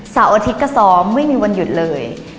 อาทิตย์ก็ซ้อมไม่มีวันหยุดเลย